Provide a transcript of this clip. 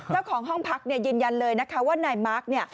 เจ้าของห้องพักยืนยันเลยนะคะว่านายมาร์ค